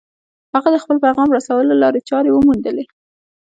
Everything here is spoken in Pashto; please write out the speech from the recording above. هغه د خپل پيغام رسولو لارې چارې وموندلې.